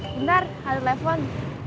bentar aku telepon